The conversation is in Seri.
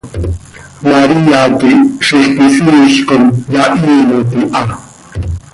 María quih zixquisiil com yahiimot iha.